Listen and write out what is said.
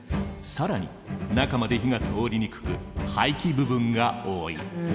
更に中まで火が通りにくく廃棄部分が多い。